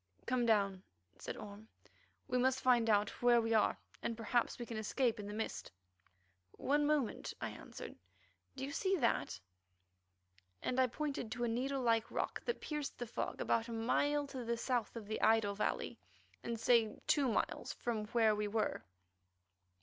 "Come down," said Orme. "We must find out where we are; perhaps we can escape in the mist." "One moment," I answered. "Do you see that?" and I pointed to a needle like rock that pierced the fog about a mile to the south of the idol valley, and say two miles from where we were.